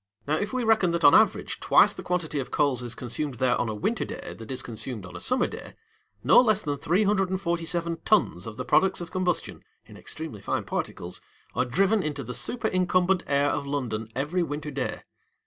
Now, if we reckon that on an average twice the quantity of coals is consumed there on a winter day that is consumed on a summer day, no less than 347 tons of the products of combustion (in extremely fine particles) are driven into the superincumbent air of London every winter day.